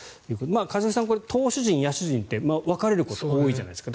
一茂さん、投手陣、野手陣って分かれることが多いじゃないですか。